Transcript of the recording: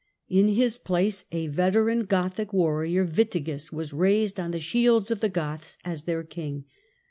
In his place a veteran Gothic warrior, Witigis, was raised on the shields of the Goths as their king.